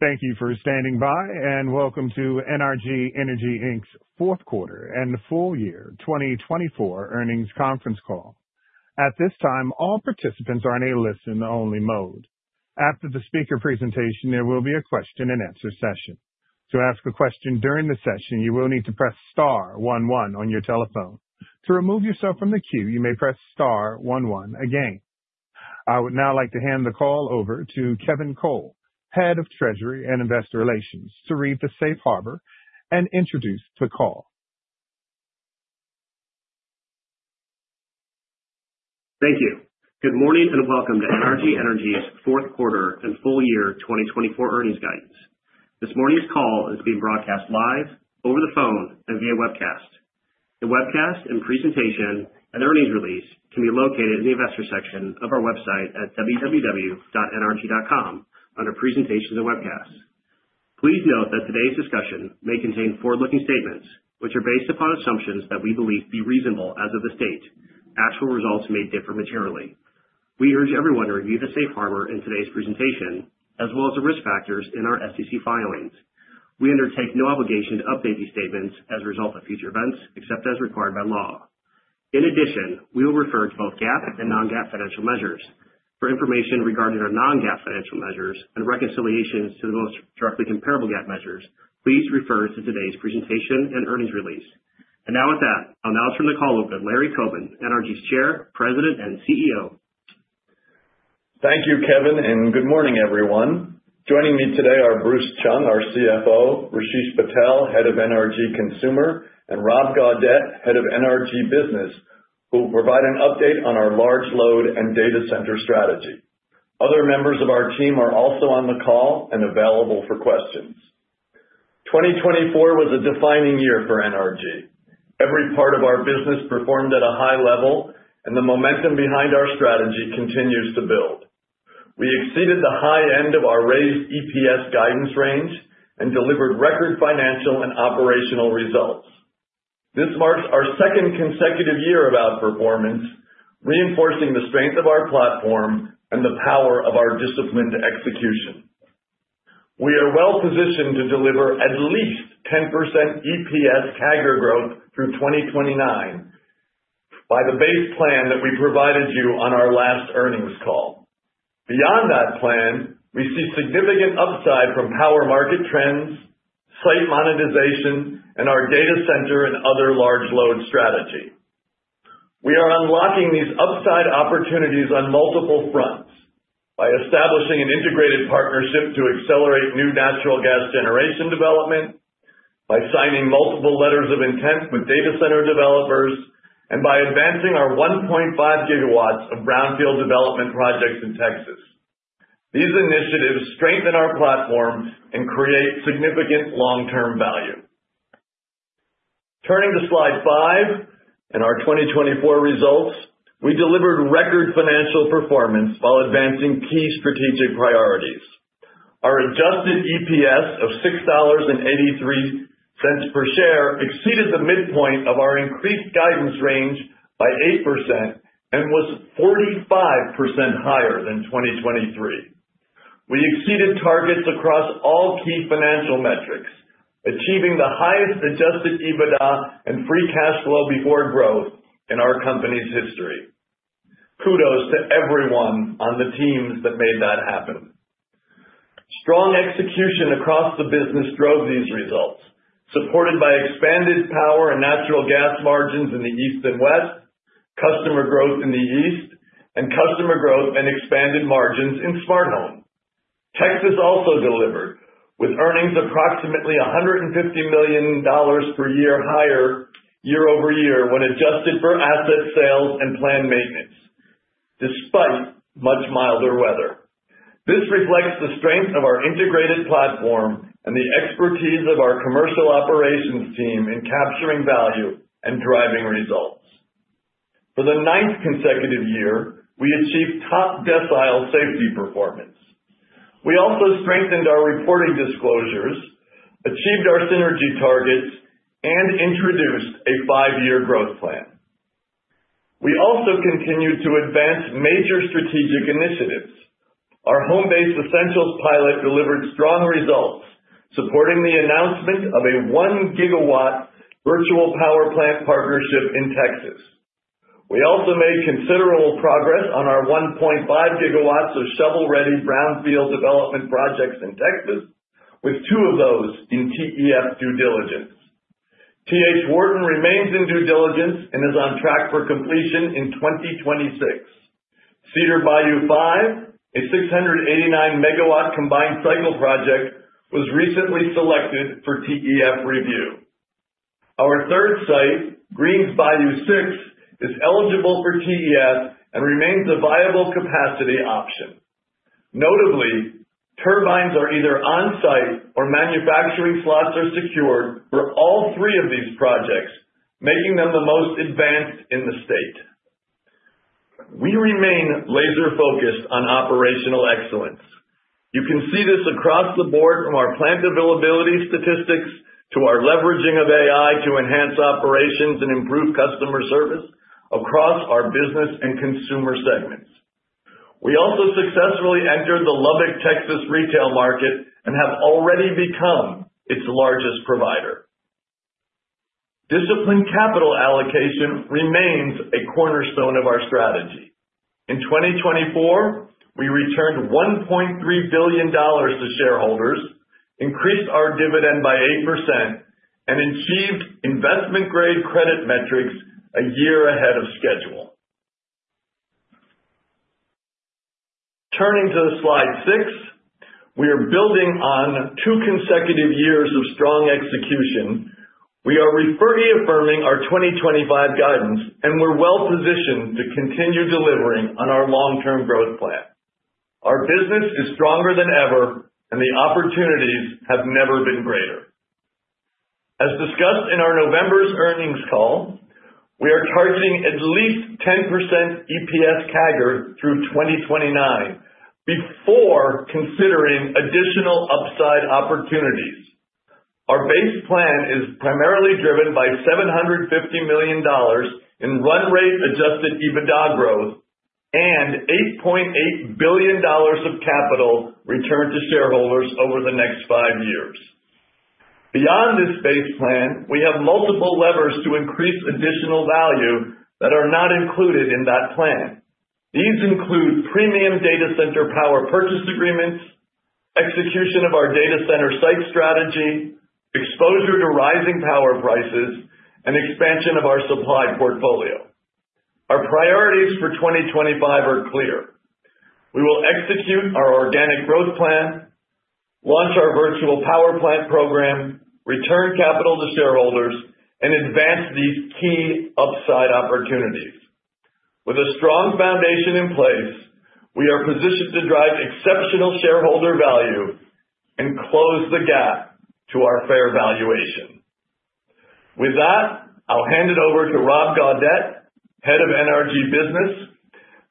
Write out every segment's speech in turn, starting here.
Thank you for standing by, and welcome to NRG Energy Inc.'s Fourth Quarter and the Full Year 2024 Earnings Conference Call. At this time, all participants are in a listen-only mode. After the speaker presentation, there will be a question-and-answer session. To ask a question during the session, you will need to press star one one on your telephone. To remove yourself from the queue, you may press star one one again. I would now like to hand the call over to Kevin Cole, Head of Treasury and Investor Relations, to read the safe harbor and introduce the call. Thank you. Good morning and welcome to NRG Energy's Fourth Quarter and Full Year 2024 Earnings Guidance. This morning's call is being broadcast live, over the phone, and via webcast. The webcast and presentation and earnings release can be located in the investor section of our website at www.nrg.com under Presentations and Webcasts. Please note that today's discussion may contain forward-looking statements, which are based upon assumptions that we believe to be reasonable as of this date. Actual results may differ materially. We urge everyone to review the safe harbor in today's presentation, as well as the risk factors in our SEC filings. We undertake no obligation to update these statements as a result of future events, except as required by law. In addition, we will refer to both GAAP and non-GAAP financial measures. For information regarding our non-GAAP financial measures and reconciliations to the most directly comparable GAAP measures, please refer to today's presentation and earnings release. And now with that, I'll now turn the call over to Larry Coben, NRG's Chair, President, and CEO. Thank you, Kevin, and good morning, everyone. Joining me today are Bruce Chung, our CFO; Rasesh Patel, Head of NRG Consumer; and Rob Gaudette, Head of NRG Business, who will provide an update on our large load and data center strategy. Other members of our team are also on the call and available for questions. 2024 was a defining year for NRG. Every part of our business performed at a high level, and the momentum behind our strategy continues to build. We exceeded the high end of our raised EPS guidance range and delivered record financial and operational results. This marks our second consecutive year of outperformance, reinforcing the strength of our platform and the power of our disciplined execution. We are well-positioned to deliver at least 10% EPS CAGR growth through 2029 by the base plan that we provided you on our last earnings call. Beyond that plan, we see significant upside from power market trends, site monetization, and our data center and other large load strategy. We are unlocking these upside opportunities on multiple fronts by establishing an integrated partnership to accelerate new natural gas generation development, by signing multiple letters of intent with data center developers, and by advancing our 1.5 GW of brownfield development projects in Texas. These initiatives strengthen our platform and create significant long-term value. Turning to slide five in our 2024 results, we delivered record financial performance while advancing key strategic priorities. Our adjusted EPS of $6.83 per share exceeded the midpoint of our increased guidance range by 8% and was 45% higher than 2023. We exceeded targets across all key financial metrics, achieving the highest adjusted EBITDA and free cash flow before growth in our company's history. Kudos to everyone on the teams that made that happen. Strong execution across the business drove these results, supported by expanded power and natural gas margins in the East and West, customer growth in the East, and customer growth and expanded margins in smart homes. Texas also delivered, with earnings approximately $150 million per year higher year-over-year when adjusted for asset sales and planned maintenance, despite much milder weather. This reflects the strength of our integrated platform and the expertise of our commercial operations team in capturing value and driving results. For the ninth consecutive year, we achieved top decile safety performance. We also strengthened our reporting disclosures, achieved our synergy targets, and introduced a five-year growth plan. We also continued to advance major strategic initiatives. Our Home-Based Essentials pilot delivered strong results, supporting the announcement of a one-gigawatt Virtual Power Plant partnership in Texas. We also made considerable progress on our 1.5 GW of shovel-ready brownfield development projects in Texas, with two of those in TEF due diligence. T.H. Wharton remains in due diligence and is on track for completion in 2026. Cedar Bayou 5, a 689 MW combined cycle project, was recently selected for TEF review. Our third site, Greens Bayou 6, is eligible for TEF and remains a viable capacity option. Notably, turbines are either on-site or manufacturing slots are secured for all three of these projects, making them the most advanced in the state. We remain laser-focused on operational excellence. You can see this across the board from our plant availability statistics to our leveraging of AI to enhance operations and improve customer service across our business and consumer segments. We also successfully entered the Lubbock, Texas, retail market and have already become its largest provider. Discipline capital allocation remains a cornerstone of our strategy. In 2024, we returned $1.3 billion to shareholders, increased our dividend by 8%, and achieved investment-grade credit metrics a year ahead of schedule. Turning to slide six, we are building on two consecutive years of strong execution. We are reaffirming our 2025 guidance, and we're well-positioned to continue delivering on our long-term growth plan. Our business is stronger than ever, and the opportunities have never been greater. As discussed in our November's earnings call, we are targeting at least 10% EPS CAGR through 2029 before considering additional upside opportunities. Our base plan is primarily driven by $750 million in run-rate Adjusted EBITDA growth and $8.8 billion of capital returned to shareholders over the next five years. Beyond this base plan, we have multiple levers to increase additional value that are not included in that plan. These include premium data center power purchase agreements, execution of our data center site strategy, exposure to rising power prices, and expansion of our supply portfolio. Our priorities for 2025 are clear. We will execute our organic growth plan, launch our virtual power plant program, return capital to shareholders, and advance these key upside opportunities. With a strong foundation in place, we are positioned to drive exceptional shareholder value and close the gap to our fair valuation. With that, I'll hand it over to Rob Gaudette, Head of NRG Business,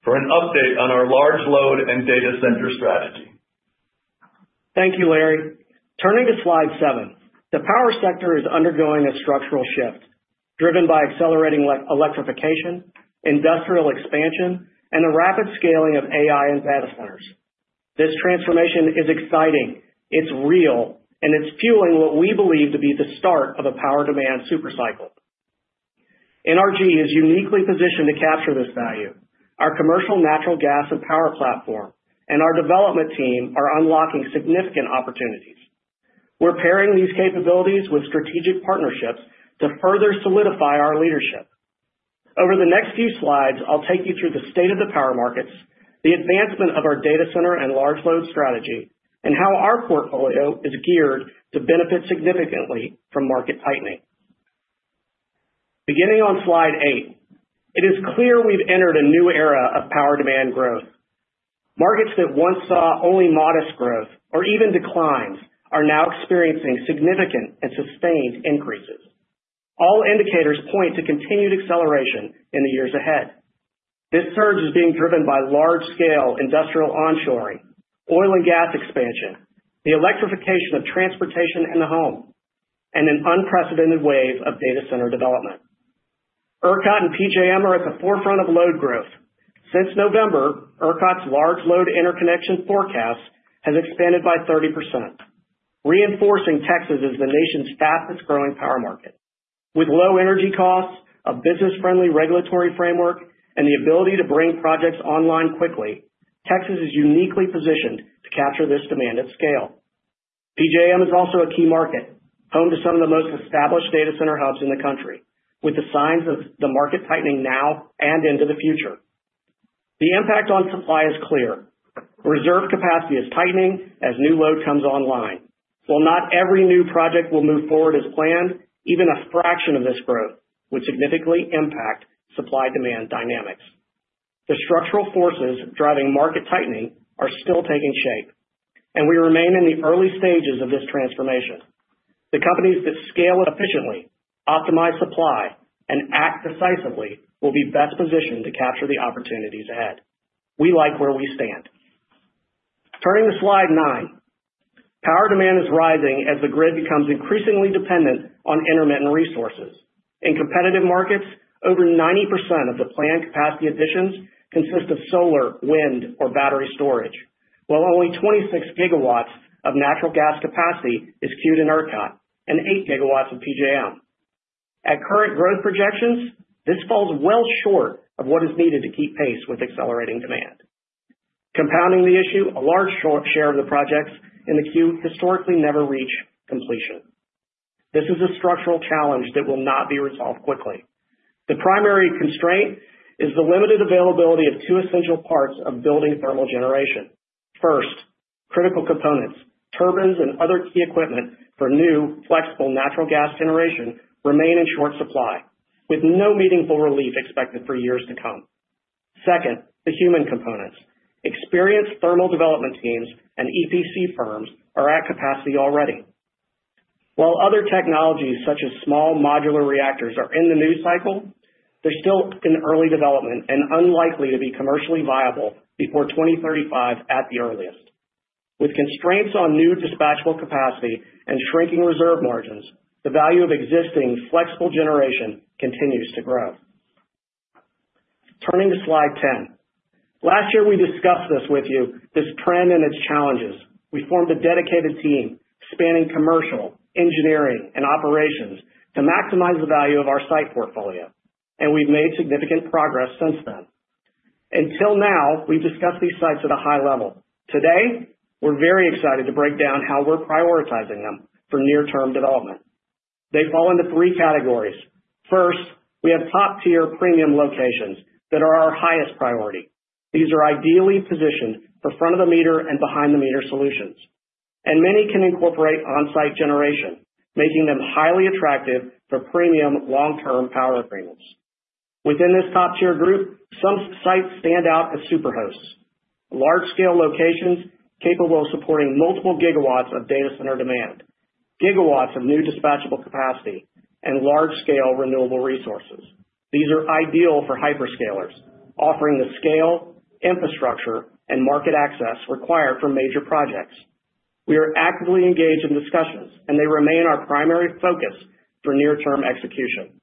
for an update on our large load and data center strategy. Thank you, Larry. Turning to slide seven, the power sector is undergoing a structural shift driven by accelerating electrification, industrial expansion, and the rapid scaling of AI and data centers. This transformation is exciting, it's real, and it's fueling what we believe to be the start of a power demand supercycle. NRG is uniquely positioned to capture this value. Our commercial natural gas and power platform and our development team are unlocking significant opportunities. We're pairing these capabilities with strategic partnerships to further solidify our leadership. Over the next few slides, I'll take you through the state of the power markets, the advancement of our data center and large load strategy, and how our portfolio is geared to benefit significantly from market tightening. Beginning on slide eight, it is clear we've entered a new era of power demand growth. Markets that once saw only modest growth or even declines are now experiencing significant and sustained increases. All indicators point to continued acceleration in the years ahead. This surge is being driven by large-scale industrial onshoring, oil and gas expansion, the electrification of transportation and the home, and an unprecedented wave of data center development. ERCOT and PJM are at the forefront of load growth. Since November, ERCOT's large load interconnection forecast has expanded by 30%, reinforcing Texas as the nation's fastest-growing power market. With low energy costs, a business-friendly regulatory framework, and the ability to bring projects online quickly, Texas is uniquely positioned to capture this demand at scale. PJM is also a key market, home to some of the most established data center hubs in the country, with the signs of the market tightening now and into the future. The impact on supply is clear. Reserve capacity is tightening as new load comes online. While not every new project will move forward as planned, even a fraction of this growth would significantly impact supply-demand dynamics. The structural forces driving market tightening are still taking shape, and we remain in the early stages of this transformation. The companies that scale efficiently, optimize supply, and act decisively will be best positioned to capture the opportunities ahead. We like where we stand. Turning to slide nine, power demand is rising as the grid becomes increasingly dependent on intermittent resources. In competitive markets, over 90% of the planned capacity additions consist of solar, wind, or battery storage, while only 26 GW of natural gas capacity is queued in ERCOT and 8 GW of PJM. At current growth projections, this falls well short of what is needed to keep pace with accelerating demand. Compounding the issue, a large share of the projects in the queue historically never reach completion. This is a structural challenge that will not be resolved quickly. The primary constraint is the limited availability of two essential parts of building thermal generation. First, critical components, turbines and other key equipment for new, flexible natural gas generation, remain in short supply, with no meaningful relief expected for years to come. Second, the human components. Experienced thermal development teams and EPC firms are at capacity already. While other technologies, such as small modular reactors, are in the new cycle, they're still in early development and unlikely to be commercially viable before 2035 at the earliest. With constraints on new dispatchable capacity and shrinking reserve margins, the value of existing flexible generation continues to grow. Turning to slide 10, last year we discussed this with you, this trend and its challenges. We formed a dedicated team spanning commercial, engineering, and operations to maximize the value of our site portfolio, and we've made significant progress since then. Until now, we've discussed these sites at a high level. Today, we're very excited to break down how we're prioritizing them for near-term development. They fall into three categories. First, we have top-tier premium locations that are our highest priority. These are ideally positioned for front-of-the-meter and behind-the-meter solutions, and many can incorporate on-site generation, making them highly attractive for premium long-term power agreements. Within this top-tier group, some sites stand out as superhosts: large-scale locations capable of supporting multiple gigawatts of data center demand, gigawatts of new dispatchable capacity, and large-scale renewable resources. These are ideal for hyperscalers, offering the scale, infrastructure, and market access required for major projects. We are actively engaged in discussions, and they remain our primary focus for near-term execution.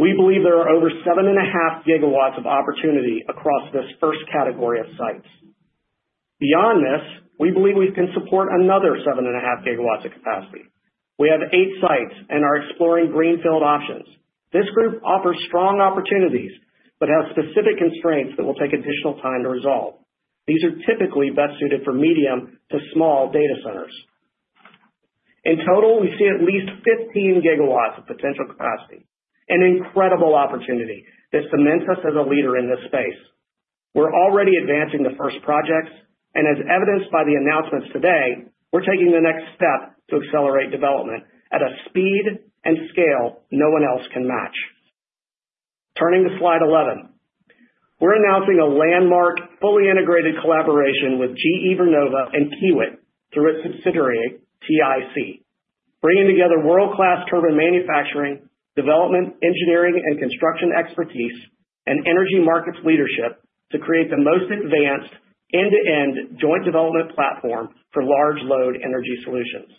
We believe there are over 7.5 GW of opportunity across this first category of sites. Beyond this, we believe we can support another 7.5 GW of capacity. We have eight sites and are exploring greenfield options. This group offers strong opportunities but has specific constraints that will take additional time to resolve. These are typically best suited for medium to small data centers. In total, we see at least 15 GW of potential capacity, an incredible opportunity that cements us as a leader in this space. We're already advancing the first projects, and as evidenced by the announcements today, we're taking the next step to accelerate development at a speed and scale no one else can match. Turning to slide 11, we're announcing a landmark fully integrated collaboration with GE Vernova and Kiewit through its subsidiary, TIC, bringing together world-class turbine manufacturing, development, engineering, and construction expertise, and energy markets leadership to create the most advanced end-to-end joint development platform for large load energy solutions.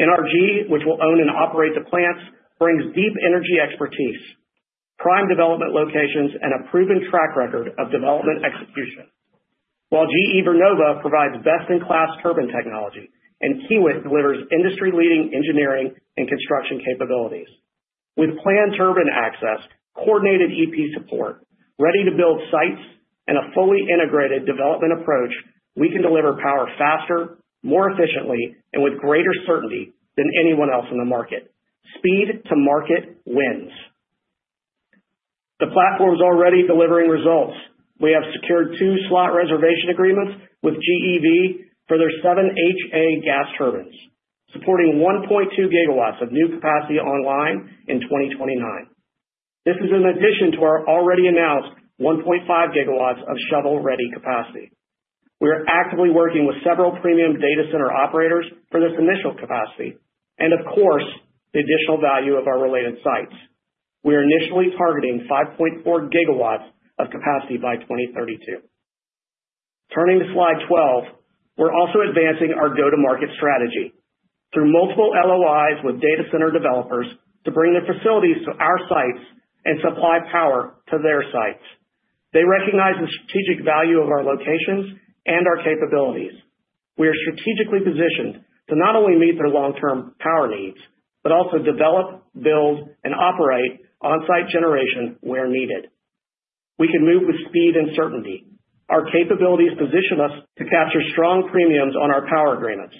NRG, which will own and operate the plants, brings deep energy expertise, prime development locations, and a proven track record of development execution, while GE Vernova provides best-in-class turbine technology and Kiewit delivers industry-leading engineering and construction capabilities. With planned turbine access, coordinated EP support, ready-to-build sites, and a fully integrated development approach, we can deliver power faster, more efficiently, and with greater certainty than anyone else in the market. Speed to market wins. The platform's already delivering results. We have secured two slot reservation agreements with GE V for their 7HA gas turbines, supporting 1.2 GW of new capacity online in 2029. This is in addition to our already announced 1.5 GW of shovel-ready capacity. We are actively working with several premium data center operators for this initial capacity and, of course, the additional value of our related sites. We are initially targeting 5.4 GW of capacity by 2032. Turning to slide 12, we're also advancing our go-to-market strategy through multiple LOIs with data center developers to bring their facilities to our sites and supply power to their sites. They recognize the strategic value of our locations and our capabilities. We are strategically positioned to not only meet their long-term power needs but also develop, build, and operate on-site generation where needed. We can move with speed and certainty. Our capabilities position us to capture strong premiums on our power agreements.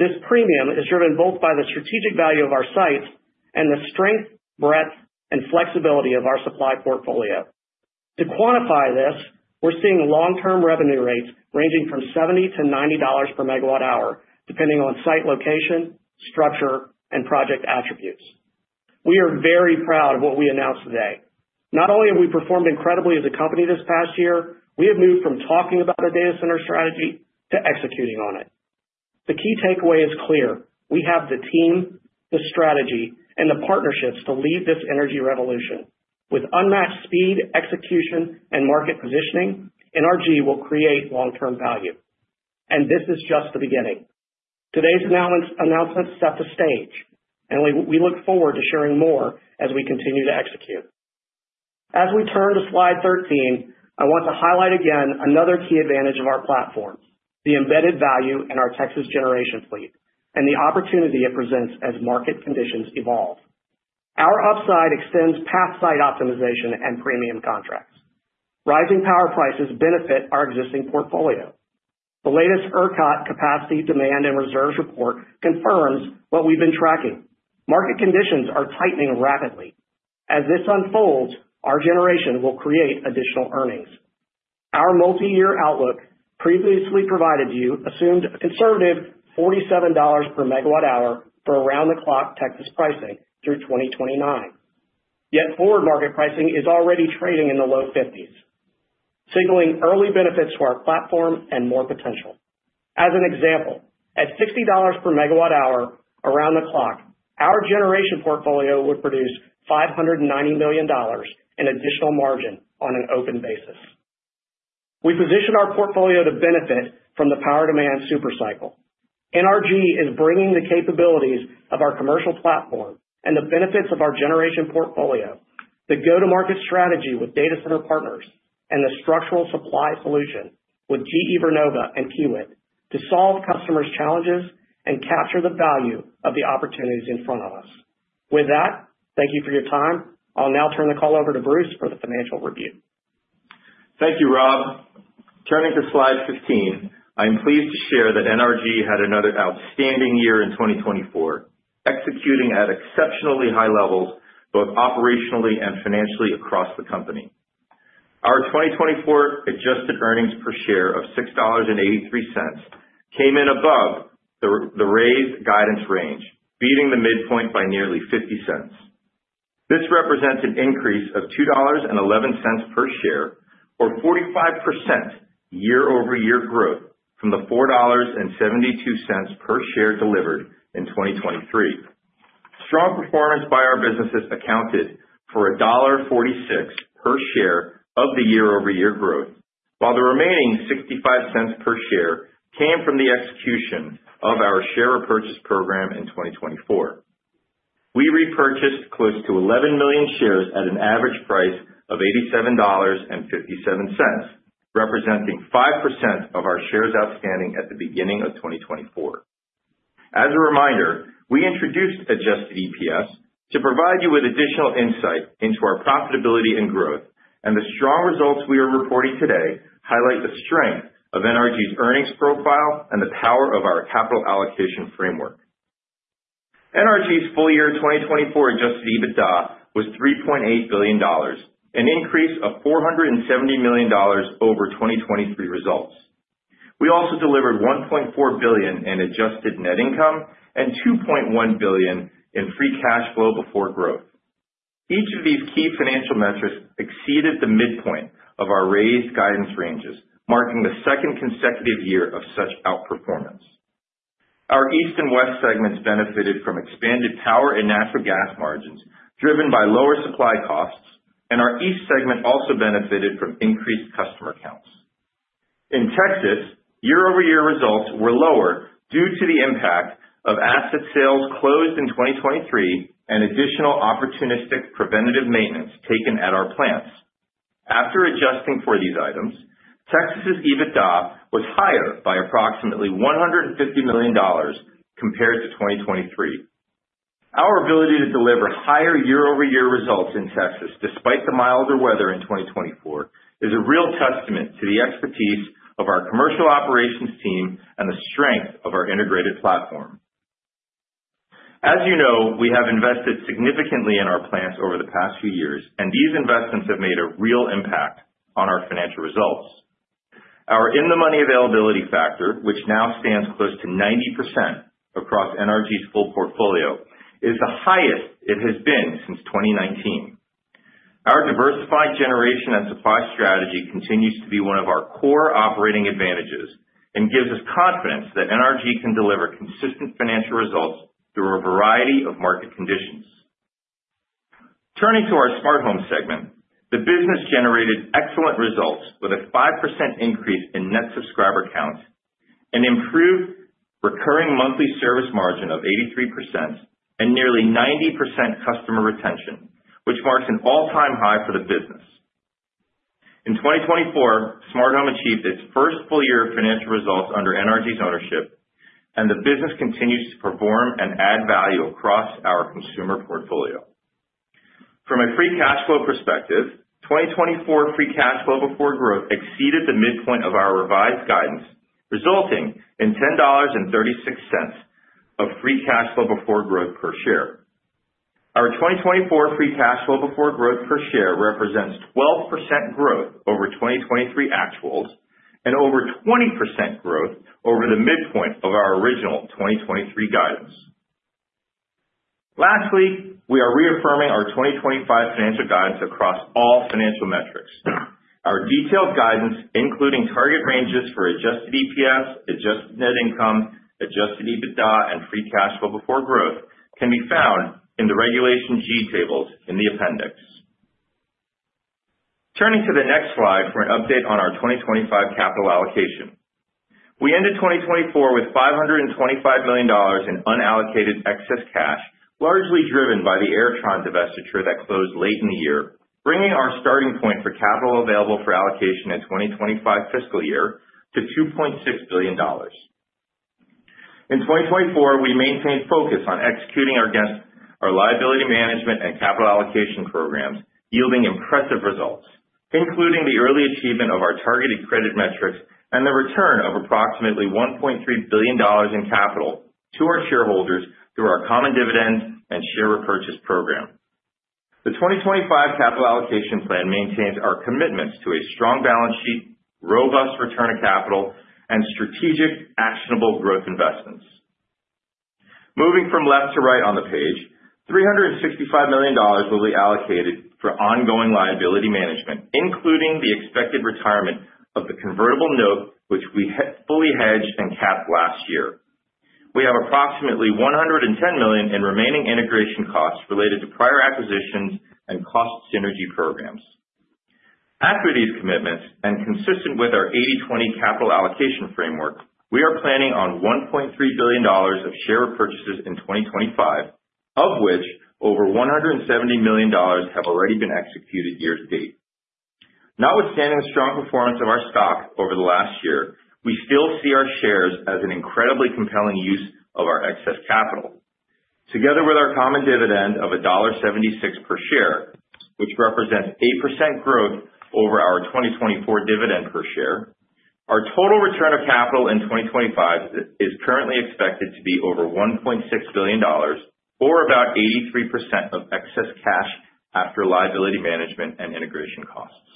This premium is driven both by the strategic value of our sites and the strength, breadth, and flexibility of our supply portfolio. To quantify this, we're seeing long-term revenue rates ranging from $70-$90 per MWh, depending on site location, structure, and project attributes. We are very proud of what we announced today. Not only have we performed incredibly as a company this past year, we have moved from talking about a data center strategy to executing on it. The key takeaway is clear. We have the team, the strategy, and the partnerships to lead this energy revolution. With unmatched speed, execution, and market positioning, NRG will create long-term value. And this is just the beginning. Today's announcements set the stage, and we look forward to sharing more as we continue to execute. As we turn to slide 13, I want to highlight again another key advantage of our platform: the embedded value in our Texas generation fleet and the opportunity it presents as market conditions evolve. Our upside extends past site optimization and premium contracts. Rising power prices benefit our existing portfolio. The latest ERCOT Capacity, Demand, and Reserves report confirms what we've been tracking. Market conditions are tightening rapidly. As this unfolds, our generation will create additional earnings. Our multi-year outlook previously provided to you assumed a conservative $47 per megawatt hour for around-the-clock Texas pricing through 2029. Yet forward market pricing is already trading in the low 50s, signaling early benefits to our platform and more potential. As an example, at $60 per megawatt hour around the clock, our generation portfolio would produce $590 million in additional margin on an open basis. We position our portfolio to benefit from the power demand supercycle. NRG is bringing the capabilities of our commercial platform and the benefits of our generation portfolio, the go-to-market strategy with data center partners, and the structural supply solution with GE Vernova and Kiewit to solve customers' challenges and capture the value of the opportunities in front of us. With that, thank you for your time. I'll now turn the call over to Bruce for the financial review. Thank you, Rob. Turning to slide 15, I'm pleased to share that NRG had another outstanding year in 2024, executing at exceptionally high levels both operationally and financially across the company. Our 2024 adjusted earnings per share of $6.83 came in above the raised guidance range, beating the midpoint by nearly $0.50. This represents an increase of $2.11 per share, or 45% year-over-year growth from the $4.72 per share delivered in 2023. Strong performance by our businesses accounted for $1.46 per share of the year-over-year growth, while the remaining $0.65 per share came from the execution of our share repurchase program in 2024. We repurchased close to 11 million shares at an average price of $87.57, representing 5% of our shares outstanding at the beginning of 2024. As a reminder, we introduced adjusted EPS to provide you with additional insight into our profitability and growth, and the strong results we are reporting today highlight the strength of NRG's earnings profile and the power of our capital allocation framework. NRG's full year 2024 adjusted EBITDA was $3.8 billion, an increase of $470 million over 2023 results. We also delivered $1.4 billion in adjusted net income and $2.1 billion in free cash flow before growth. Each of these key financial metrics exceeded the midpoint of our raised guidance ranges, marking the second consecutive year of such outperformance. Our East and West segments benefited from expanded power and natural gas margins driven by lower supply costs, and our East segment also benefited from increased customer counts. In Texas, year-over-year results were lower due to the impact of asset sales closed in 2023 and additional opportunistic preventative maintenance taken at our plants. After adjusting for these items, Texas's EBITDA was higher by approximately $150 million compared to 2023. Our ability to deliver higher year-over-year results in Texas, despite the milder weather in 2024, is a real testament to the expertise of our commercial operations team and the strength of our integrated platform. As you know, we have invested significantly in our plants over the past few years, and these investments have made a real impact on our financial results. Our In-the-Money Availability Factor, which now stands close to 90% across NRG's full portfolio, is the highest it has been since 2019. Our diversified generation and supply strategy continues to be one of our core operating advantages and gives us confidence that NRG can deliver consistent financial results through a variety of market conditions. Turning to our Smart Home segment, the business generated excellent results with a 5% increase in net subscriber count, an improved Recurring Monthly Service Margin of 83%, and nearly 90% customer retention, which marks an all-time high for the business. In 2024, Smart Home achieved its first full year of financial results under NRG's ownership, and the business continues to perform and add value across our consumer portfolio. From a free cash flow perspective, 2024 free cash flow before growth exceeded the midpoint of our revised guidance, resulting in $10.36 of free cash flow before growth per share. Our 2024 free cash flow before growth per share represents 12% growth over 2023 actuals and over 20% growth over the midpoint of our original 2023 guidance. Lastly, we are reaffirming our 2025 financial guidance across all financial metrics. Our detailed guidance, including target ranges for adjusted EPS, adjusted net income, adjusted EBITDA, and free cash flow before growth, can be found in the Regulation G tables in the appendix. Turning to the next slide for an update on our 2025 capital allocation. We ended 2024 with $525 million in unallocated excess cash, largely driven by the Airtron divestiture that closed late in the year, bringing our starting point for capital available for allocation in 2025 fiscal year to $2.6 billion. In 2024, we maintained focus on executing our liability management and capital allocation programs, yielding impressive results, including the early achievement of our targeted credit metrics and the return of approximately $1.3 billion in capital to our shareholders through our common dividend and share repurchase program. The 2025 capital allocation plan maintains our commitments to a strong balance sheet, robust return of capital, and strategic actionable growth investments. Moving from left to right on the page, $365 million will be allocated for ongoing liability management, including the expected retirement of the convertible note, which we fully hedged and capped last year. We have approximately $110 million in remaining integration costs related to prior acquisitions and cost synergy programs. After these commitments and consistent with our 80/20 capital allocation framework, we are planning on $1.3 billion of share repurchases in 2025, of which over $170 million have already been executed year to date. Notwithstanding the strong performance of our stock over the last year, we still see our shares as an incredibly compelling use of our excess capital. Together with our common dividend of $1.76 per share, which represents 8% growth over our 2024 dividend per share, our total return of capital in 2025 is currently expected to be over $1.6 billion, or about 83% of excess cash after liability management and integration costs.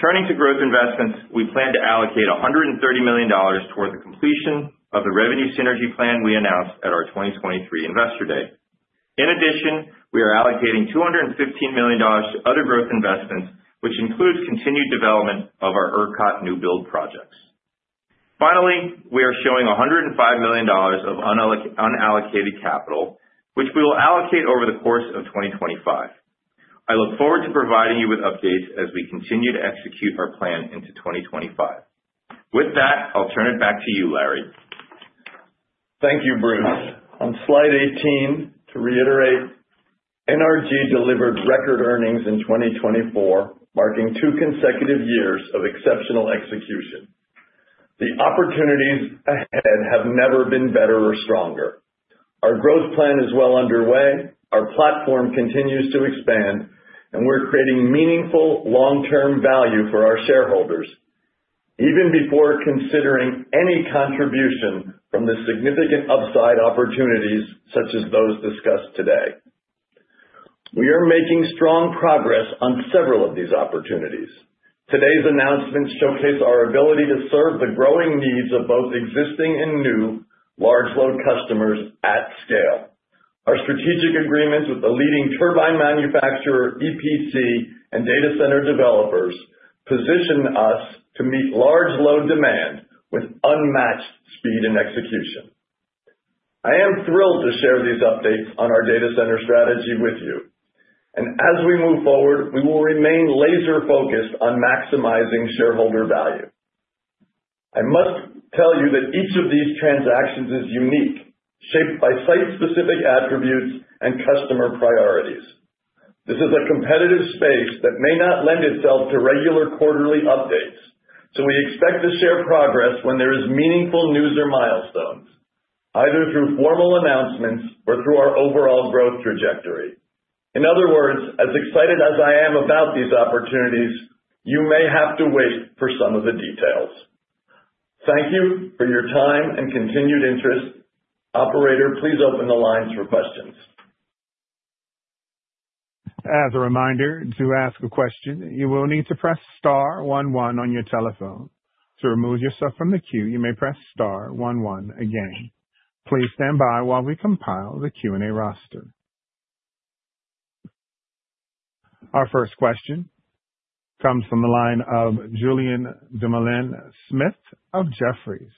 Turning to growth investments, we plan to allocate $130 million toward the completion of the revenue synergy plan we announced at our 2023 investor day. In addition, we are allocating $215 million to other growth investments, which includes continued development of our ERCOT new build projects. Finally, we are showing $105 million of unallocated capital, which we will allocate over the course of 2025. I look forward to providing you with updates as we continue to execute our plan into 2025. With that, I'll turn it back to you, Larry. Thank you, Bruce. On slide 18, to reiterate, NRG delivered record earnings in 2024, marking two consecutive years of exceptional execution. The opportunities ahead have never been better or stronger. Our growth plan is well underway, our platform continues to expand, and we're creating meaningful long-term value for our shareholders, even before considering any contribution from the significant upside opportunities such as those discussed today. We are making strong progress on several of these opportunities. Today's announcements showcase our ability to serve the growing needs of both existing and new large load customers at scale. Our strategic agreements with the leading turbine manufacturer, EPC, and data center developers position us to meet large load demand with unmatched speed and execution. I am thrilled to share these updates on our data center strategy with you and as we move forward, we will remain laser-focused on maximizing shareholder value. I must tell you that each of these transactions is unique, shaped by site-specific attributes and customer priorities. This is a competitive space that may not lend itself to regular quarterly updates, so we expect to share progress when there is meaningful news or milestones, either through formal announcements or through our overall growth trajectory. In other words, as excited as I am about these opportunities, you may have to wait for some of the details. Thank you for your time and continued interest. Operator, please open the lines for questions. As a reminder, to ask a question, you will need to press star one one on your telephone. To remove yourself from the queue, you may press star one one again. Please stand by while we compile the Q&A roster. Our first question comes from the line of Julien Dumoulin-Smith of Jefferies.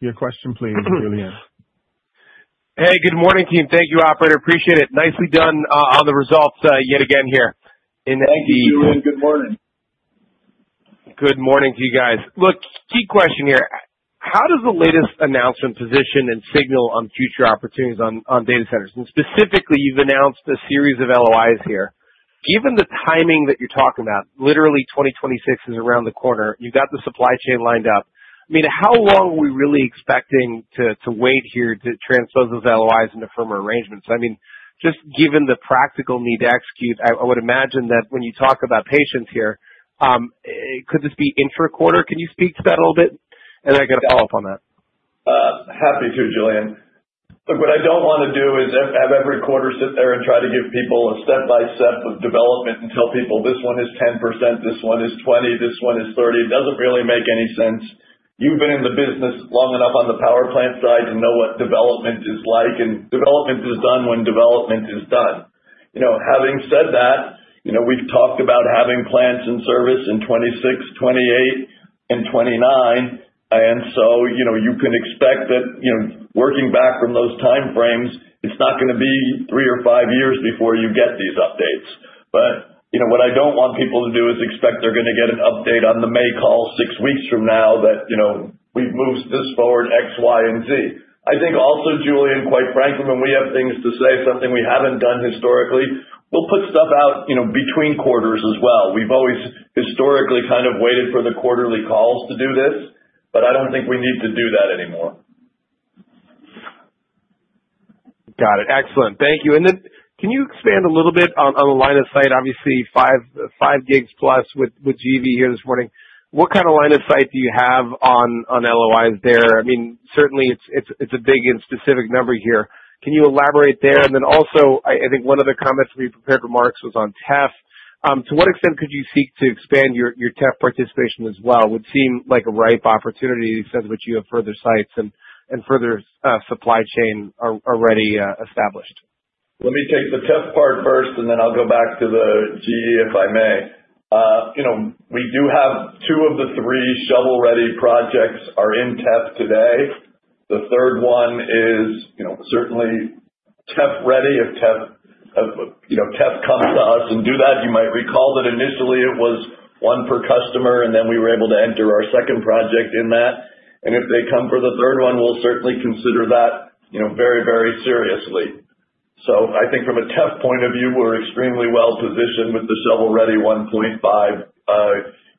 Your question, please, Julien. Hey, good morning, team. Thank you, Operator. Appreciate it. Nicely done on the results yet again here. And thank you. Thank you, Julien. Good morning. Good morning to you guys. Look, key question here. How does the latest announcement position and signal on future opportunities on data centers? And specifically, you've announced a series of LOIs here. Given the timing that you're talking about, literally 2026 is around the corner. You've got the supply chain lined up. I mean, how long are we really expecting to wait here to transpose those LOIs into firmer arrangements? I mean, just given the practical need to execute, I would imagine that when you talk about patience here, could this be intra-quarter? Can you speak to that a little bit? And I got to follow up on that. Happy to, Julien. Look, what I don't want to do is have every quarter sit there and try to give people a step-by-step of development and tell people, "This one is 10%, this one is 20%, this one is 30%." It doesn't really make any sense. You've been in the business long enough on the power plant side to know what development is like, and development is done when development is done. Having said that, we've talked about having plants in service in 2026, 2028, and 2029. So you can expect that working back from those time frames, it's not going to be three or five years before you get these updates. But what I don't want people to do is expect they're going to get an update on the May call six weeks from now that we've moved this forward, X, Y, and Z. I think also, Julien, quite frankly, when we have things to say, something we haven't done historically, we'll put stuff out between quarters as well. We've always historically kind of waited for the quarterly calls to do this, but I don't think we need to do that anymore. Got it. Excellent. Thank you. And then can you expand a little bit on the line of sight? Obviously, five GW plus with GE Vernova here this morning. What kind of line of sight do you have on LOIs there? I mean, certainly, it's a big and specific number here. Can you elaborate there? And then also, I think one of the comments we prepared for Marks was on TEF. To what extent could you seek to expand your TEF participation as well? It would seem like a ripe opportunity because you have further sites and further supply chain already established. Let me take the TEF part first, and then I'll go back to the GE, if I may. We do have two of the three shovel-ready projects are in TEF today. The third one is certainly TEF-ready. If TEF comes to us and do that, you might recall that initially it was one per customer, and then we were able to enter our second project in that. And if they come for the third one, we'll certainly consider that very, very seriously. So I think from a TEF point of view, we're extremely well positioned with the shovel-ready 1.5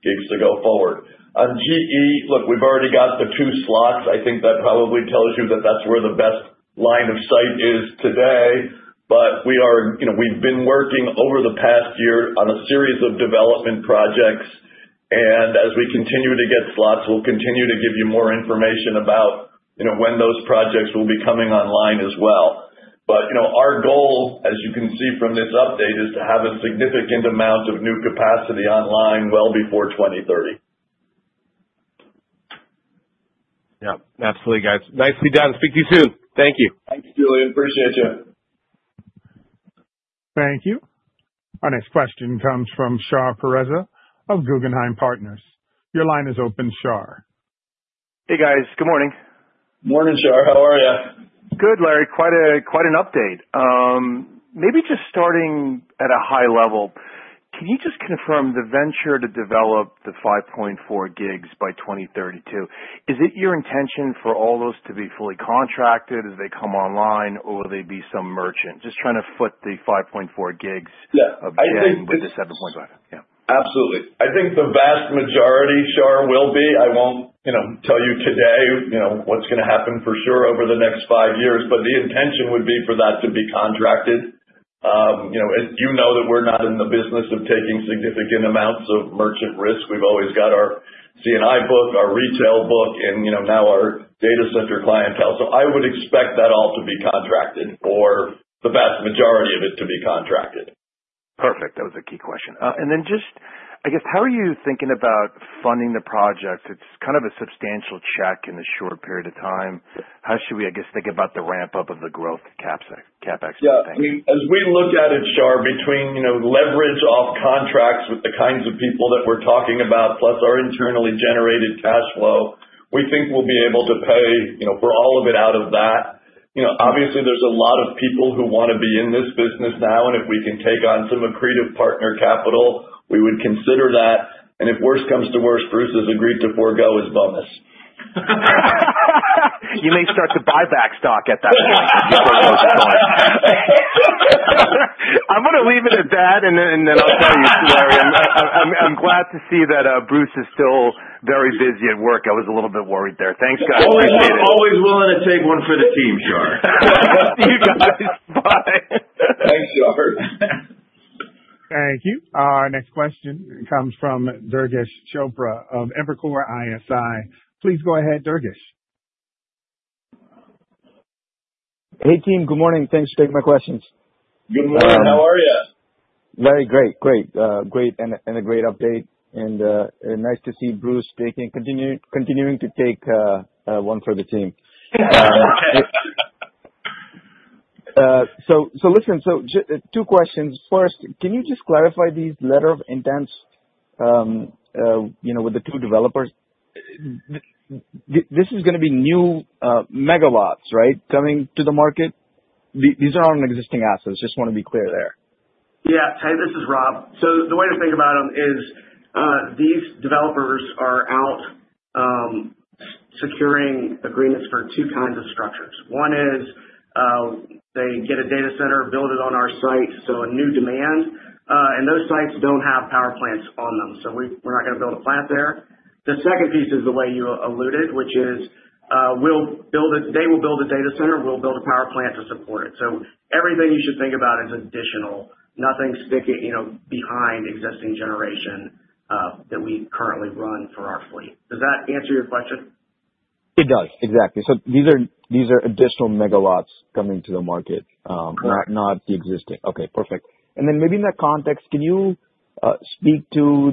gigs to go forward. On GE, look, we've already got the two slots. I think that probably tells you that that's where the best line of sight is today. But we've been working over the past year on a series of development projects. And as we continue to get slots, we'll continue to give you more information about when those projects will be coming online as well. But our goal, as you can see from this update, is to have a significant amount of new capacity online well before 2030. Yep. Absolutely, guys. Nicely done. Speak to you soon. Thank you. Thanks, Julien. Appreciate you. Thank you. Our next question comes from Shar Pourreza of Guggenheim Partners. Your line is open, Shar. Hey, guys. Good morning. Morning, Shar. How are you? Good, Larry. Quite an update. Maybe just starting at a high level, can you just confirm the venture to develop the 5.4 gigs by 2032? Is it your intention for all those to be fully contracted as they come online, or will there be some merchant? Just trying to foot the 5.4 gigs of data with the 7.5. Yeah. Absolutely. I think the vast majority, Shar, will be. I won't tell you today what's going to happen for sure over the next five years. But the intention would be for that to be contracted. You know that we're not in the business of taking significant amounts of merchant risk. We've always got our C&I book, our retail book, and now our data center clientele. So I would expect that all to be contracted or the vast majority of it to be contracted. Perfect. That was a key question. And then just, I guess, how are you thinking about funding the project? It's kind of a substantial check in a short period of time. How should we, I guess, think about the ramp-up of the growth CapEx thing? Yeah. As we look at it, Shar, between leverage off contracts with the kinds of people that we're talking about, plus our internally generated cash flow, we think we'll be able to pay for all of it out of that. Obviously, there's a lot of people who want to be in this business now. And if we can take on some accretive partner capital, we would consider that. And if worse comes to worse, Bruce has agreed to forego his bonus. You may start to buy back stock at that point before growth starts. I'm going to leave it at that, and then I'll tell you, Larry. I'm glad to see that Bruce is still very busy at work. I was a little bit worried there. Thanks, guys. Appreciate it. Always willing to take one for the team, Shar. You guys. Bye. Thanks, Shar. Thank you. Our next question comes from Durgesh Chopra of Evercore ISI. Please go ahead, Durgesh. Hey, team. Good morning. Thanks for taking my questions. Good morning. How are you? Larry, great. Great. Great and a great update. And nice to see Bruce continuing to take one for the team. So listen, so two questions. First, can you just clarify these letters of intent with the two developers? This is going to be new megawatts, right, coming to the market? These are on existing assets. Just want to be clear there. Yeah. Hey, this is Rob. So the way to think about them is these developers are out securing agreements for two kinds of structures. One is they get a data center, build it on our site, so a new demand. And those sites don't have power plants on them, so we're not going to build a plant there. The second piece is the way you alluded, which is they will build a data center. We'll build a power plant to support it. So everything you should think about is additional, nothing sticking behind existing generation that we currently run for our fleet. Does that answer your question? It does. Exactly. So these are additional megawatts coming to the market, not the existing. Okay. Perfect. And then maybe in that context, can you speak to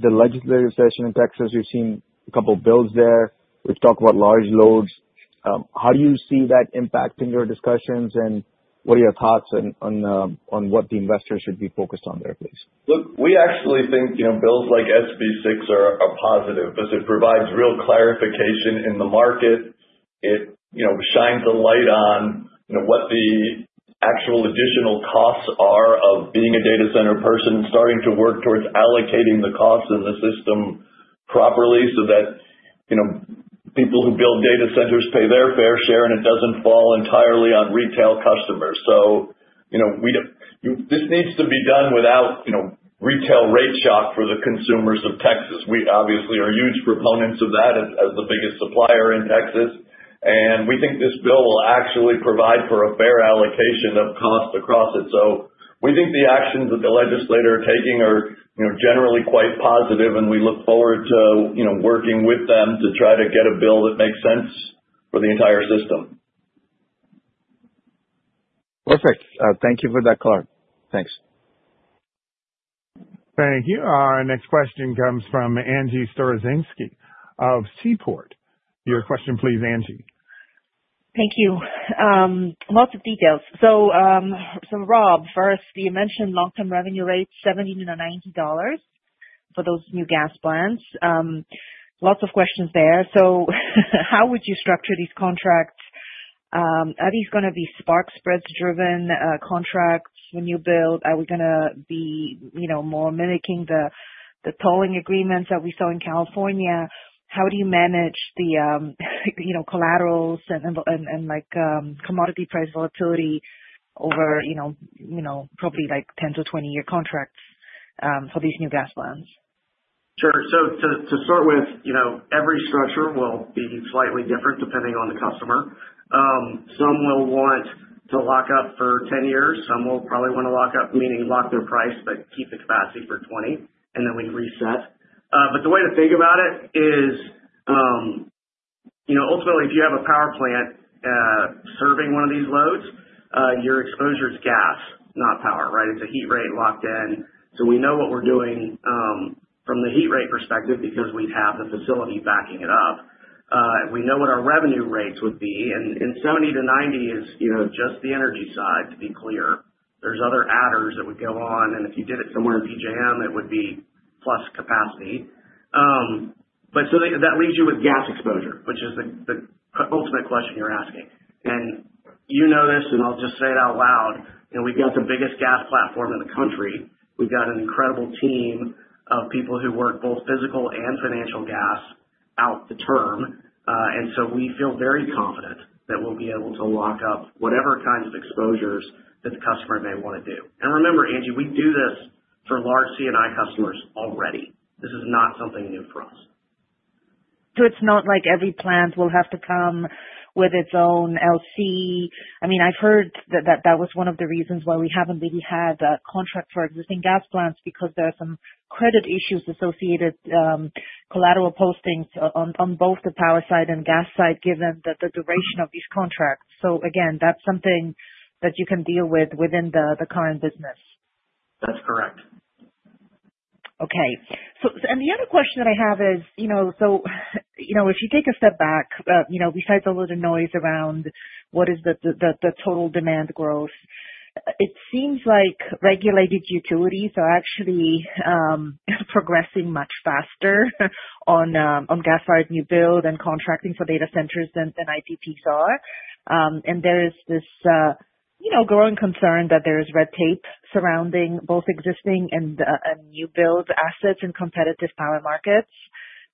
the legislative session in Texas? We've seen a couple of bills there. We've talked about large loads. How do you see that impacting your discussions, and what are your thoughts on what the investor should be focused on there, please? Look, we actually think bills like SB 6 are positive because it provides real clarification in the market. It shines a light on what the actual additional costs are of being a data center person and starting to work towards allocating the costs in the system properly so that people who build data centers pay their fair share and it doesn't fall entirely on retail customers, so this needs to be done without retail rate shock for the consumers of Texas. We obviously are huge proponents of that as the biggest supplier in Texas, and we think this bill will actually provide for a fair allocation of cost across it. So we think the actions that the legislature is taking are generally quite positive, and we look forward to working with them to try to get a bill that makes sense for the entire system. Perfect. Thank you for that color. Thanks. Thank you. Our next question comes from Angie Storozynski of Seaport. Your question, please, Angie. Thank you. Lots of details. So Rob, first, you mentioned long-term revenue rates, $70-$90 for those new gas plants. Lots of questions there. So how would you structure these contracts? Are these going to be spark spreads driven contracts when you build? Are we going to be more mimicking the tolling agreements that we saw in California? How do you manage the collaterals and commodity price volatility over probably 10-20-year contracts for these new gas plants? Sure. So to start with, every structure will be slightly different depending on the customer. Some will want to lock up for 10 years. Some will probably want to lock up, meaning lock their price but keep the capacity for 20, and then we reset. But the way to think about it is ultimately, if you have a power plant serving one of these loads, your exposure is gas, not power, right? It's a heat rate locked in. So we know what we're doing from the heat rate perspective because we have the facility backing it up. We know what our revenue rates would be. And $70-$90 is just the energy side, to be clear. There's other adders that would go on. And if you did it somewhere in PJM, it would be plus capacity. But so that leaves you with gas exposure, which is the ultimate question you're asking. And you know this, and I'll just say it out loud. We've got the biggest gas platform in the country. We've got an incredible team of people who work both physical and financial gas out the term. And so we feel very confident that we'll be able to lock up whatever kinds of exposures that the customer may want to do. And remember, Angie, we do this for large C&I customers already. This is not something new for us. So it's not like every plant will have to come with its own LC. I mean, I've heard that that was one of the reasons why we haven't really had contracts for existing gas plants because there are some credit issues associated with collateral postings on both the power side and gas side, given the duration of these contracts. So again, that's something that you can deal with within the current business. That's correct. Okay. And the other question that I have is, so if you take a step back, besides all of the noise around what is the total demand growth, it seems like regulated utilities are actually progressing much faster on gas fired new build and contracting for data centers than IPPs are. And there is this growing concern that there is red tape surrounding both existing and new build assets in competitive power markets.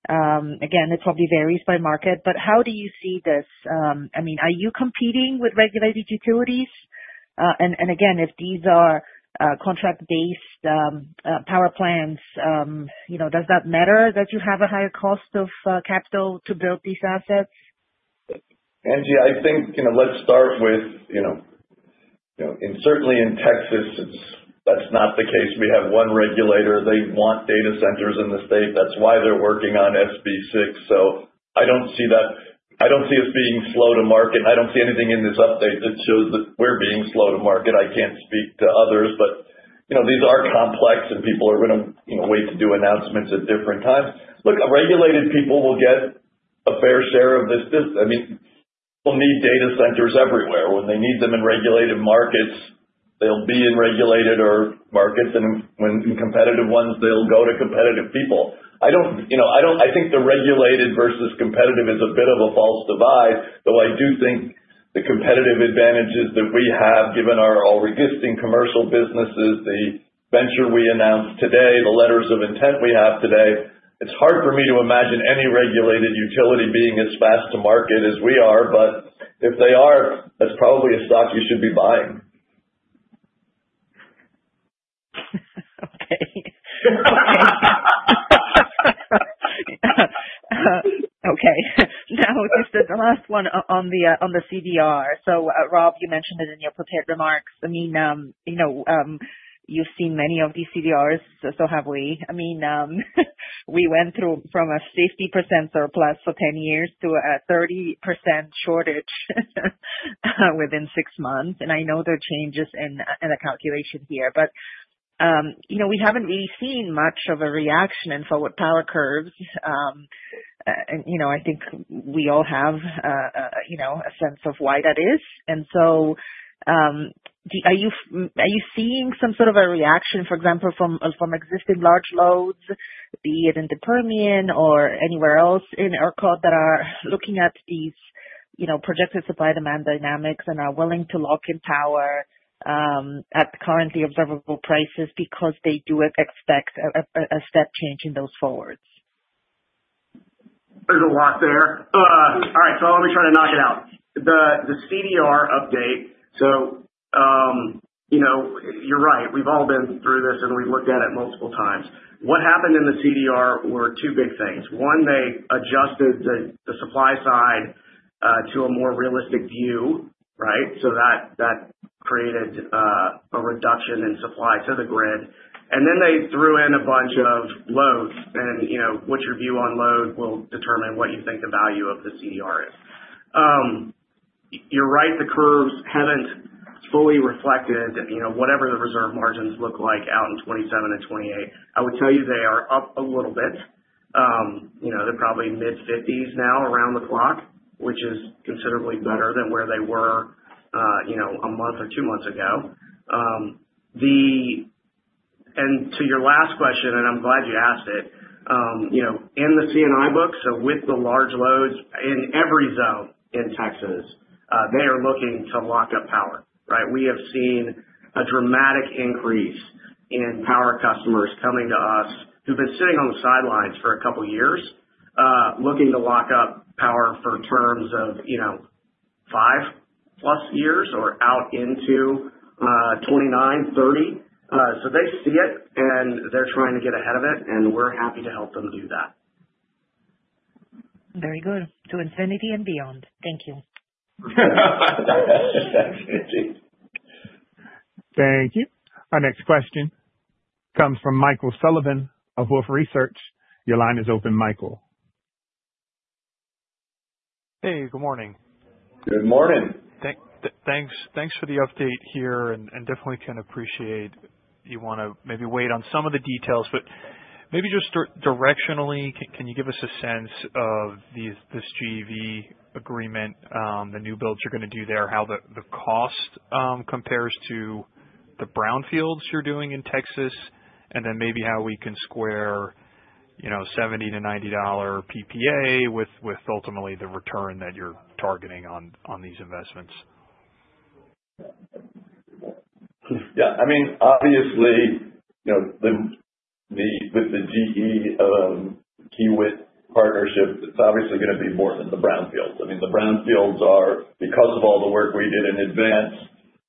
Again, it probably varies by market. But how do you see this? I mean, are you competing with regulated utilities? And again, if these are contract-based power plants, does that matter that you have a higher cost of capital to build these assets? Angie, I think, let's start with, and certainly in Texas, that's not the case. We have one regulator. They want data centers in the state. That's why they're working on SB 6. So I don't see that. I don't see us being slow to market. I don't see anything in this update that shows that we're being slow to market. I can't speak to others, but these are complex, and people are going to wait to do announcements at different times. Look, regulated people will get a fair share of this. I mean, people need data centers everywhere. When they need them in regulated markets, they'll be in regulated markets, and in competitive ones, they'll go to competitive people. I think the regulated versus competitive is a bit of a false divide, though I do think the competitive advantages that we have, given our existing commercial businesses, the venture we announced today, the letters of intent we have today. It's hard for me to imagine any regulated utility being as fast to market as we are. But if they are, that's probably a stock you should be buying. Okay. Okay. Now, just the last one on the CDR. So Rob, you mentioned it in your prepared remarks. I mean, you've seen many of these CDRs, so have we. I mean, we went from a 60% surplus for 10 years to a 30% shortage within six months. I know there are changes in the calculation here, but we haven't really seen much of a reaction in forward power curves. And I think we all have a sense of why that is. And so are you seeing some sort of a reaction, for example, from existing large loads, be it in the Permian or anywhere else in ERCOT that are looking at these projected supply demand dynamics and are willing to lock in power at currently observable prices because they do expect a step change in those forwards? There's a lot there. All right. So let me try to knock it out. The CDR update, so you're right. We've all been through this, and we've looked at it multiple times. What happened in the CDR were two big things. One, they adjusted the supply side to a more realistic view, right? So that created a reduction in supply to the grid. And then they threw in a bunch of loads. What your view on load will determine what you think the value of the CDR is. You're right. The curves haven't fully reflected whatever the reserve margins look like out in 2027 and 2028. I would tell you they are up a little bit. They're probably mid-50s now around the clock, which is considerably better than where they were a month or two months ago. And to your last question, and I'm glad you asked it, in the C&I book, so with the large loads in every zone in Texas, they are looking to lock up power, right? We have seen a dramatic increase in power customers coming to us who've been sitting on the sidelines for a couple of years looking to lock up power for terms of 5+ years or out into 2029, 2030. So they see it, and they're trying to get ahead of it, and we're happy to help them do that. Very good. To infinity and beyond. Thank you. Thank you. Our next question comes from Michael Sullivan of Wolfe Research. Your line is open, Michael. Hey, good morning. Good morning. Thanks for the update here, and definitely can appreciate you want to maybe wait on some of the details, but maybe just directionally, can you give us a sense of this GE Vernova agreement, the new builds you're going to do there, how the cost compares to the brownfields you're doing in Texas, and then maybe how we can square $70-$90 PPA with ultimately the return that you're targeting on these investments? Yeah. I mean, obviously, with the GE Vernova-Kiewit partnership, it's obviously going to be more than the brownfields. I mean, the brownfields, because of all the work we did in advance,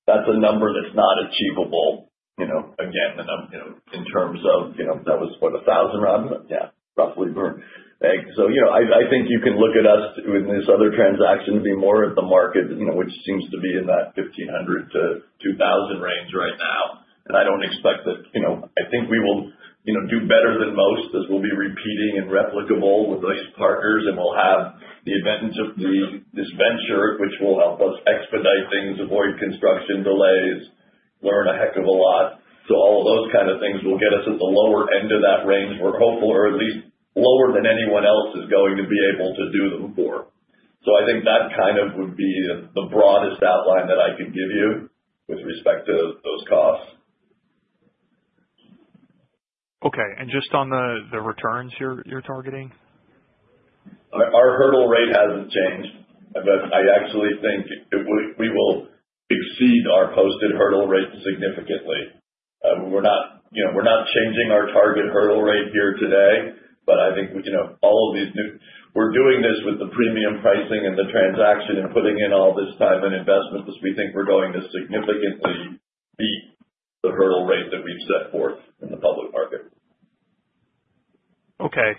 that's a number that's not achievable, again, in terms of that was, what, 1,000 round? Yeah, roughly. So I think you can look at us in this other transaction to be more at the market, which seems to be in that 1,500-2,000 range right now. And I don't expect that I think we will do better than most as we'll be repeating and replicable with these partners. And we'll have the advantage of this venture, which will help us expedite things, avoid construction delays, learn a heck of a lot. So all of those kinds of things will get us at the lower end of that range we're hopeful, or at least lower than anyone else is going to be able to do them for. So I think that kind of would be the broadest outline that I could give you with respect to those costs. Okay. And just on the returns you're targeting? Our hurdle rate hasn't changed, but I actually think we will exceed our posted hurdle rate significantly. We're not changing our target hurdle rate here today, but I think all of these new we're doing this with the premium pricing and the transaction and putting in all this time and investment because we think we're going to significantly beat the hurdle rate that we've set forth in the public market. Okay.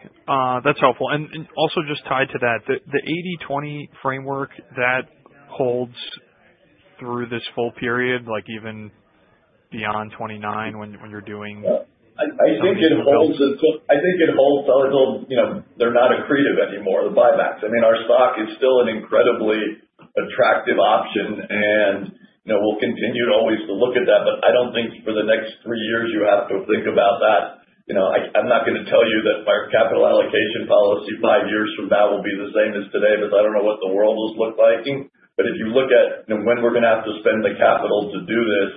That's helpful. And also just tied to that, the 80/20 framework that holds through this full period, even beyond 2029 when you're doing? I think it holds. I think it holds until they're not accretive anymore, the buybacks. I mean, our stock is still an incredibly attractive option, and we'll continue to always look at that. But I don't think for the next three years you have to think about that. I'm not going to tell you that our capital allocation policy five years from now will be the same as today because I don't know what the world will look like. But if you look at when we're going to have to spend the capital to do this,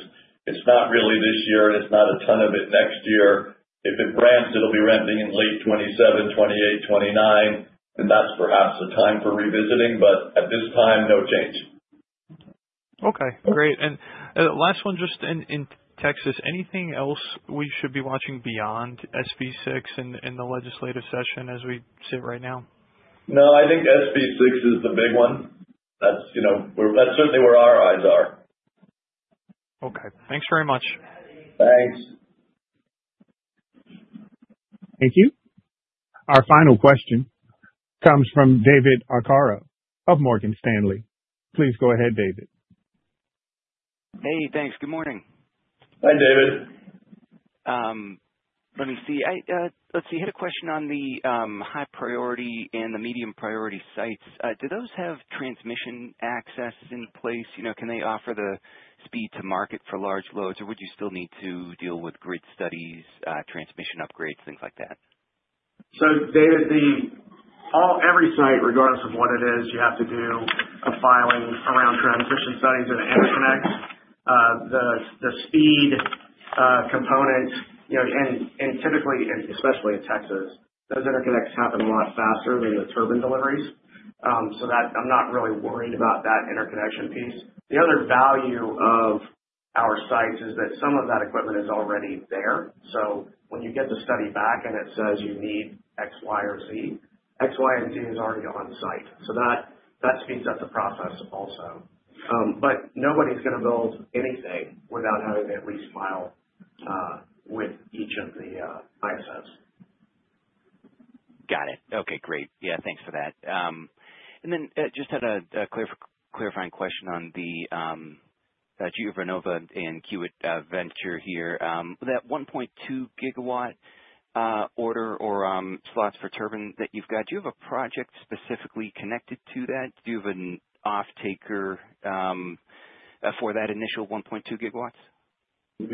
it's not really this year, and it's not a ton of it next year. If it ramps, it'll be ramping in late 2027, 2028, 2029, and that's perhaps the time for revisiting. But at this time, no change. Okay. Great. And last one, just in Texas, anything else we should be watching beyond SB 6 in the legislative session as we sit right now? No, I think SB 6 is the big one. That's certainly where our eyes are. Okay. Thanks very much. Thanks. Thank you. Our final question comes from David Arcaro of Morgan Stanley. Please go ahead, David. Hey, thanks. Good morning. Hi, David. Let me see. Let's see. I had a question on the high priority and the medium priority sites. Do those have transmission access in place? Can they offer the speed to market for large loads, or would you still need to deal with grid studies, transmission upgrades, things like that? So David, every site, regardless of what it is, you have to do a filing around transmission studies and interconnects. The speed component, and typically, especially in Texas, those interconnects happen a lot faster than the turbine deliveries. So I'm not really worried about that interconnection piece. The other value of our sites is that some of that equipment is already there. So when you get the study back and it says you need X, Y, or Z, X, Y, and Z is already on site. So that speeds up the process also. But nobody's going to build anything without having at least filed with each of the ISOs. Got it. Okay. Great. Yeah. Thanks for that. Then just had a clarifying question on the GE Vernova and Kiewit venture here. That 1.2 GW order or slots for turbine that you've got, do you have a project specifically connected to that? Do you have an off-taker for that initial 1.2 GW? We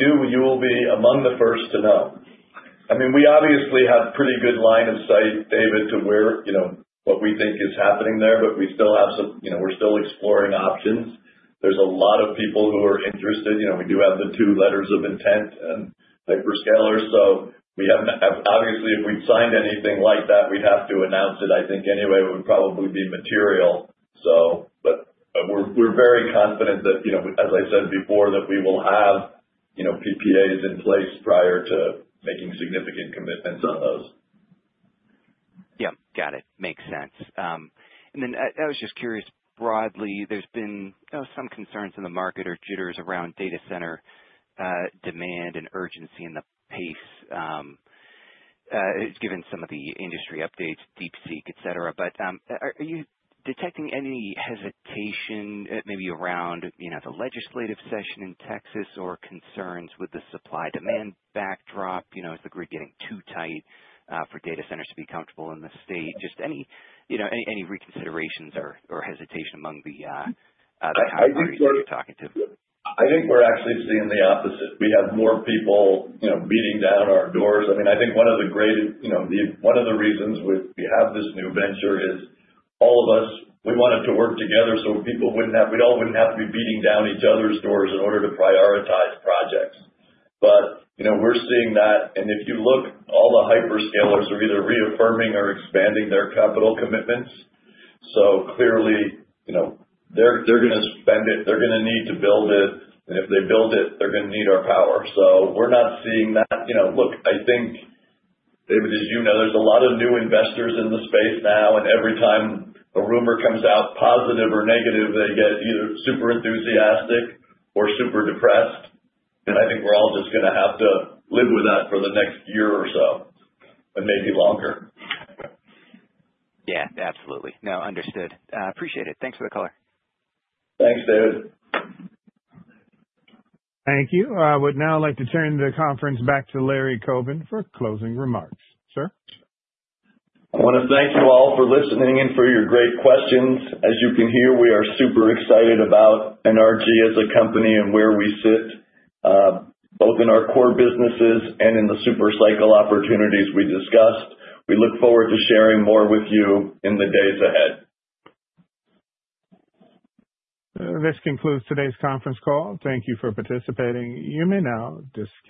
do. You will be among the first to know. I mean, we obviously have pretty good line of sight, David, to where what we think is happening there, but we still have some; we're still exploring options. There's a lot of people who are interested. We do have the two letters of intent and hyperscalers. So obviously, if we'd signed anything like that, we'd have to announce it. I think anyway, it would probably be material. But we're very confident that, as I said before, that we will have PPAs in place prior to making significant commitments on those. Yeah. Got it. Makes sense. And then I was just curious, broadly. There's been some concerns in the market or jitters around data center demand and urgency and the pace, given some of the industry updates, DeepSeek, etc. But are you detecting any hesitation maybe around the legislative session in Texas or concerns with the supply demand backdrop as the grid getting too tight for data centers to be comfortable in the state? Just any reconsiderations or hesitation among the households that you're talking to? I think we're actually seeing the opposite. We have more people beating down our doors. I mean, I think one of the greatest reasons we have this new venture is all of us, we wanted to work together so we all wouldn't have to be beating down each other's doors in order to prioritize projects. But we're seeing that. And if you look, all the hyperscalers are either reaffirming or expanding their capital commitments. So clearly, they're going to spend it. They're going to need to build it. And if they build it, they're going to need our power. So we're not seeing that. Look, I think, David, as you know, there's a lot of new investors in the space now. And every time a rumor comes out, positive or negative, they get either super enthusiastic or super depressed. And I think we're all just going to have to live with that for the next year or so, and maybe longer. Yeah. Absolutely. No, understood. Appreciate it. Thanks for the color. Thanks, David. Thank you. I would now like to turn the conference back to Larry Coben for closing remarks. Sir? I want to thank you all for listening and for your great questions. As you can hear, we are super excited about NRG as a company and where we sit, both in our core businesses and in the supercycle opportunities we discussed. We look forward to sharing more with you in the days ahead. This concludes today's conference call. Thank you for participating. You may now disconnect.